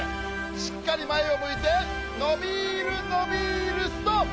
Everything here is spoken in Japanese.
しっかりまえをむいてのびるのびるストップ！